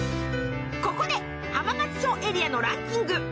ここで浜松町エリアのランキング